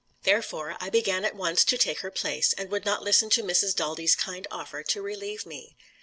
Therefore, I began at once to take her place, and would not listen to Mrs. Daldy's kind offer to relieve me.